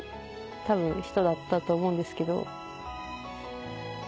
多分人だったと思うんですけど。